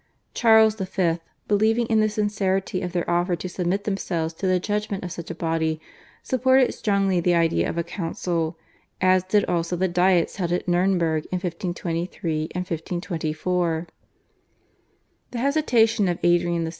Charles V., believing in the sincerity of their offer to submit themselves to the judgment of such a body, supported strongly the idea of a council, as did also the Diets held at Nurnberg in 1523 and 1524. The hesitation of Adrian VI.